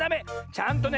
ちゃんとね